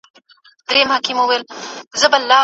ولي چاپیریال ته پاملرنه زموږ حق دی؟